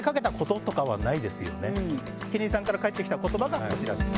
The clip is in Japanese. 希林さんから返ってきた言葉がこちらです。